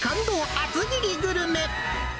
厚切りグルメ。